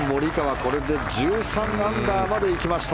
これで１３アンダーまで行きました。